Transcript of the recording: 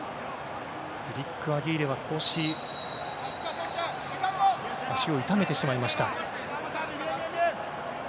エリック・アギーレは少し足を痛めてしまいました。